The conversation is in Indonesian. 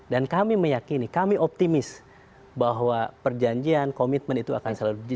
dan kami meyakini kami optimis bahwa perjanjian komitmen itu akan selalu dijaga